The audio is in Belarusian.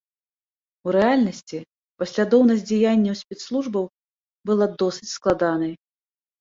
У рэальнасці паслядоўнасць дзеянняў спецслужбаў была досыць складанай.